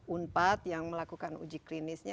unpad yang melakukan uji klinisnya